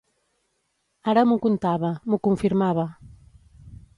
Ara m'ho contava, m'ho confirmava.